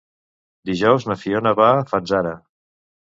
Dijous na Fiona va a Fanzara.